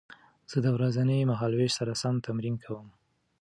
زه د ورځني مهالوېش سره سم تمرین کوم.